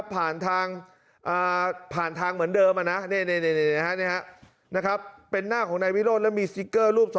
ผ่านทางผ่านทางเหมือนเดิมเป็นหน้าของนายวิโรธและมีสติ๊กเกอร์รูป๒